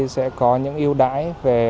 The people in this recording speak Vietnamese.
sẽ có những ưu đãi